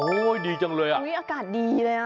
ดีจังเลยอ่ะอุ้ยอากาศดีเลยอ่ะ